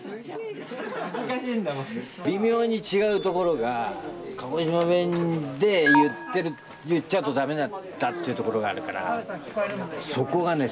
微妙に違うところが鹿児島弁で言っちゃうと駄目だったっていうところがあるからそこがね